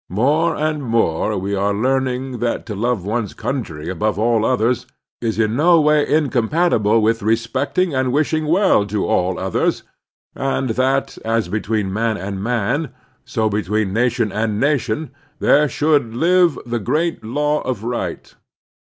More and more we are learning that to love one's country above all others is in no way incompatible with respecting and wishing well to all others, and that, as between man and man, so between nation and nation, there shotild live the great law of right.